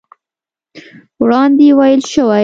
وړاندې ويل شوي